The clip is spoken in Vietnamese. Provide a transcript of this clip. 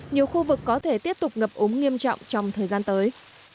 nhiều khu vực có thể tiếp tục ngập ống nghiêm trọng trong thời gian tới